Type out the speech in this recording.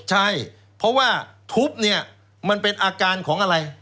ใช่เพราะว่าทุบเนี่ยมันเป็นอาการของอะไร